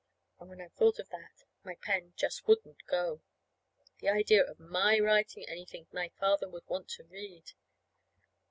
And when I thought of that, my pen just wouldn't go. The idea of my writing anything my father would want to read!